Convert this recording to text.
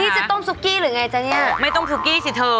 นี่จะต้มซุกกี้หรือไงจ๊ะเนี่ยไม่ต้องซุกกี้สิเธอ